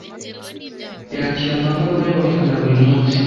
Yakira amabaruwa yabafana buri munsi.